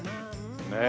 ねえ。